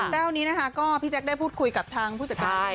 แววนี้นะคะก็พี่แจ๊คได้พูดคุยกับทางผู้จัดการ